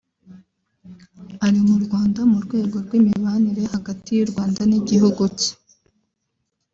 Ari mu Rwanda mu rwego rw’imibanire hagati y’u Rwanda n’igihugu cye